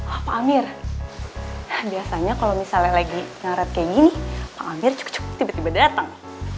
ah pak amir biasanya kalau misalnya lagi ngaret kayak gini pak amir cukup tiba tiba datang